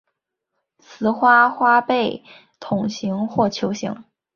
雌花花被筒形或球形。